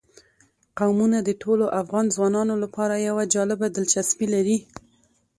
قومونه د ټولو افغان ځوانانو لپاره یوه جالبه دلچسپي لري.